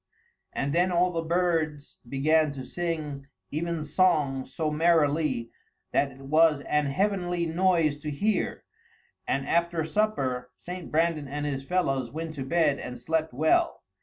And then all the birds began to sing evensong so merrilie that it was an heavenlie noise to hear; and after supper St. Brandan and his fellows went to bed and slept well.